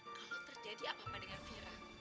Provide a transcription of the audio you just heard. eh kalau terjadi apa apa dengan vira